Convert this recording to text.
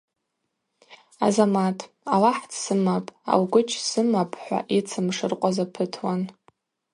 Азамат – Аллахӏ дсымапӏ, алгвыч сымапӏ – хӏва йыцымшыркъвазапытуан.